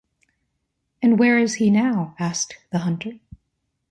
And where is he now? asked the hunter.